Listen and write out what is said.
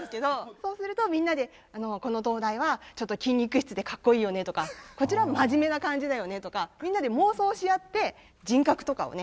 そうするとみんなでこの灯台はちょっと筋肉質でかっこいいよねとかこっちは真面目な感じだよねとかみんなで妄想し合って人格とかをね